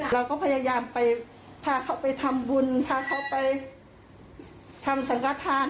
เราก็พยายามไปพาเขาไปทำบุญพาเขาไปทำสังกฐาน